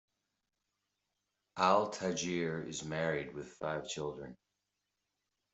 Al Tajir is married with five children.